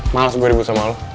malas gue dibuat sama lu